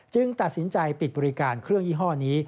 ตัดสินใจปิดบริการเครื่องยี่ห้อนี้